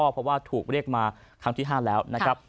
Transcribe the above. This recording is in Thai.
เพราะว่าถูกเรียกมาครั้งที่๕แล้วนะครับ